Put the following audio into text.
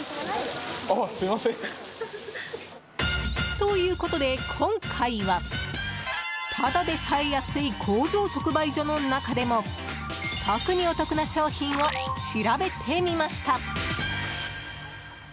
ということで今回はただでさえ安い工場直売所の中でも特にお得な商品を調べてみました。